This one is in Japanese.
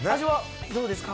どうですか？